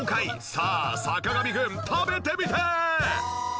さあ坂上くん食べてみて！